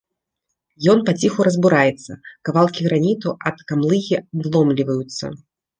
Ён паціху разбураецца, кавалкі граніту ад камлыгі адломліваюцца.